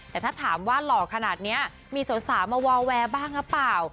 แต่ถ้าถามว่าหล่อขนาดนี้มีสาวมาวาวแวร์บ้างหรือเปล่า